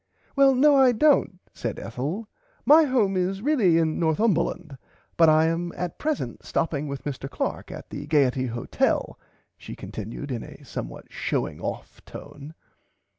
Well no I dont said Ethel my home is really in Northumberland but I am at present stopping with Mr Clark at the Gaierty Hotel she continud in a somewhat showing off tone.